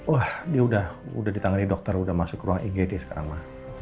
wah dia udah ditangani dokter udah masuk ruang igd sekarang